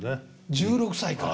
１６歳から。